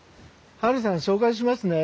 ハルさん紹介しますね。